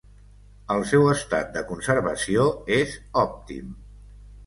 El seu estat de conservació és òptim.